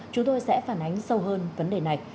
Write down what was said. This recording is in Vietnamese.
chúng tôi sẽ phản ánh sâu hơn vấn đề này